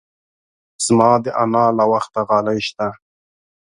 زما د انا له وخته غالۍ شته.